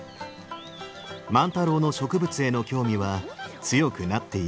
万太郎の植物への興味は強くなっていくばかり。